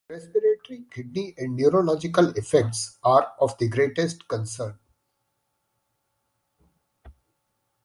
Respiratory, kidney, and neurological effects are of the greatest concern.